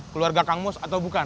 keluarga kang mos atau bukan